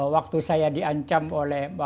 waktu saya diancam oleh